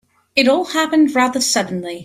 It all happened rather suddenly.